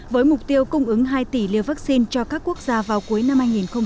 với mục tiêu cung ứng hai tỷ liều vaccine cho các quốc gia vào cuối năm hai nghìn hai mươi